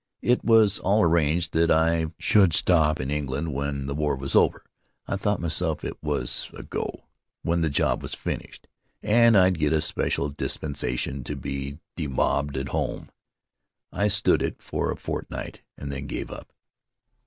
It was all arranged that I should stop in England when the war was over; I thought myself it was a go. When the job was finished, and I'd got a special dispensation to be demobbed at home, I stood it for a fortnight and then gave up.